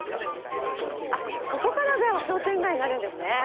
あっ、ここからが商店街になるんですね。